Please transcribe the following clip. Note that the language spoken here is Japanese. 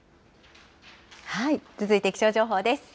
続いて気象情報です。